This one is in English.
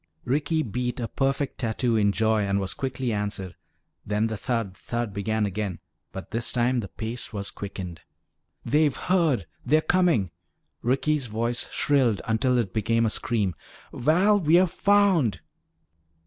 Ricky beat a perfect tattoo in joy and was quickly answered. Then the thud, thud began again, but this time the pace was quickened. "They've heard! They're coming!" Ricky's voice shrilled until it became a scream. "Val, we're found!"